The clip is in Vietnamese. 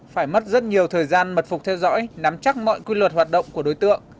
phải mất rất nhiều thời gian mật phục theo dõi nắm chắc mọi quy luật hoạt động của đối tượng